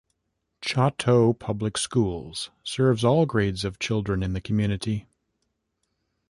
Choteau Public Schools serves all grades of children in the community.